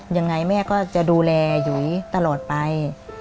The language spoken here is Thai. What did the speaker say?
อย่างไรแม่ก็จะดูแลหรือยูตลอดไป